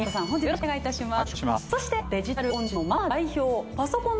お願いします。